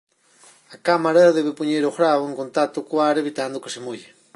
A cámara debe poñer o gran en contacto co ar evitando que se molle.